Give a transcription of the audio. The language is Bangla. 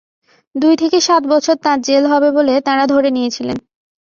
দুই থেকে সাত বছর তাঁর জেল হবে বলে তাঁরা ধরে নিয়েছিলেন।